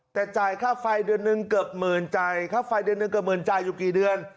แต่จ่ายค่าไฟเดือนหนึ่งเกือบหมื่นจ่ายค่าไฟเดือนหนึ่งเกือบหมื่นจ่ายอยู่กี่เดือน